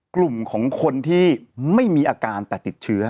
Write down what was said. กลุ่มของคนที่ไม่มีอาการแต่ติดเชื้อ